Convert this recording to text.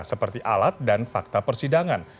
seperti alat dan fakta persidangan